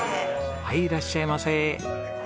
はいいらっしゃいませ。